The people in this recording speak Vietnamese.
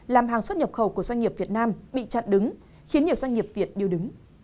làm hàng xuất nhập khẩu của doanh nghiệp việt nam bị chặn đứng khiến nhiều doanh nghiệp việt điêu đứng